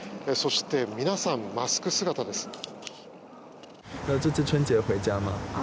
そして、皆さんマスク姿です。